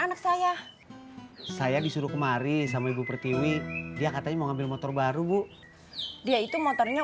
anak saya saya disuruh kemari sama ibu pertiwi dia katanya mau ambil motor baru bu dia itu motornya